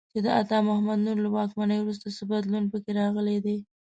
چې د عطا محمد نور له واکمنۍ وروسته څه بدلون په کې راغلی دی.